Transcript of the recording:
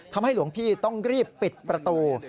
ทำให้หลวงพี่ต้องรีบปิดประตู